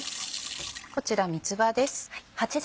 こちら三つ葉です。